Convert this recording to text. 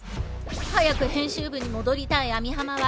早く編集部に戻りたい網浜は。